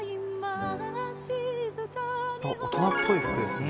あっ大人っぽい服ですね